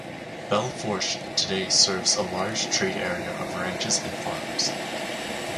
Belle Fourche today serves a large trade area of ranches and farms.